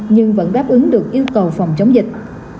nhưng vẫn đáp ứng được yêu cầu phòng chống dịch